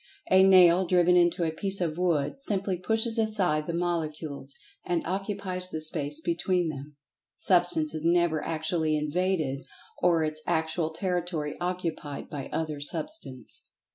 A nail driven into a piece of wood, simply pushes aside the molecules, and occupies the Space between them. Substance is never actually "invaded" or its actual territory occupied by other Substance.